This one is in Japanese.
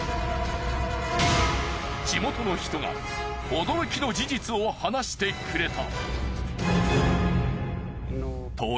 地元の人が驚きの事実を話してくれた。